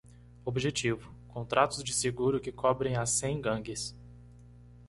Objetivo: contratos de seguro que cobrem as cem gangues.